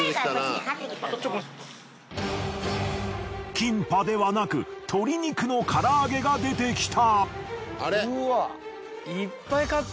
キンパではなく鶏肉の唐揚げが出てきた。